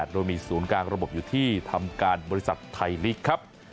โดยมีศูนย์กลางระบบอยู่ที่ทำการบริษัทไทยลีกครับ